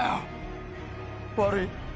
悪い。